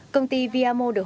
công ty viamo được hỗ trợ bởi